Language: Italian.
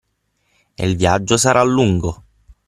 E il viaggio sarà lungo!